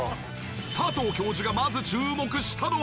佐藤教授がまず注目したのは！